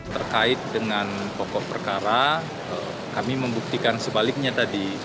terkait dengan pokok perkara kami membuktikan sebaliknya tadi